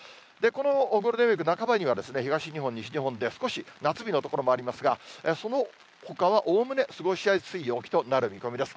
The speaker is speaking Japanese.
このゴールデンウィーク半ばには、東日本、西日本で少し夏日の所もありますが、そのほかはおおむね過ごしやすい陽気となる見込みです。